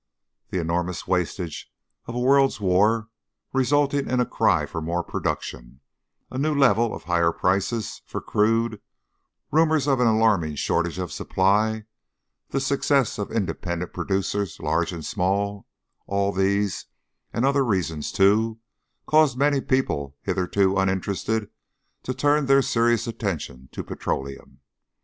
The enormous wastage of a world's war, resulting in a cry for more production, a new level of high prices for crude, rumors of an alarming shortage of supply, the success of independent producers, large and small all these, and other reasons, too, caused many people hitherto uninterested to turn their serious attention to petroleum.